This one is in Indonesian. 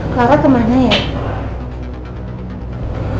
clara kemana ya